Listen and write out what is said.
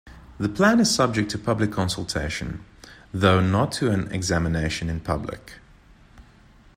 The plan is subject to public consultation, though not to an 'examination in public'.